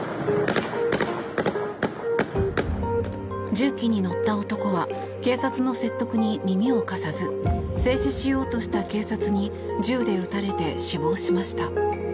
重機に乗った男は警察の説得に耳を貸さず制止しようとした警察に銃で撃たれて死亡しました。